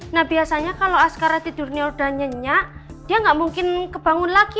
nah biasanya kalau askara tidurnya udah nyenyak dia nggak mungkin kebangun lagi